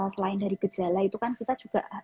selain dari gejala itu kan kita juga